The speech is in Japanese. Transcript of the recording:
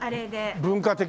「文化的」？